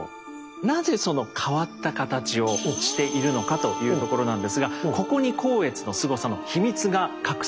なぜその変わった形をしているのかというところなんですがここに光悦のスゴさの秘密が隠されているんです。